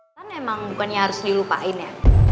kan emang bukannya harus dilupain ya